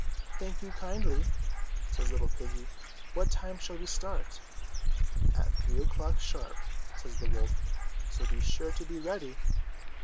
"Thank you kindly," says little piggy, "what time shall we start .?" "At three o'clock sharp," says the wolf, "so be sure to be ready."